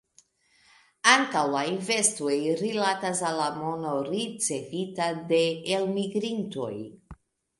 Ankaŭ la investoj rilatas al la mono ricevita de elmigrintoj.